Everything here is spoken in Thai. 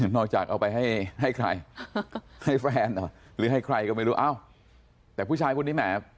เอาไปให้ใครให้แฟนเหรอหรือให้ใครก็ไม่รู้เอ้าแต่ผู้ชายคนนี้แหม